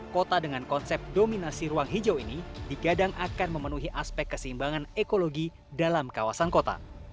kota dengan konsep dominasi ruang hijau ini digadang akan memenuhi aspek keseimbangan ekologi dalam kawasan kota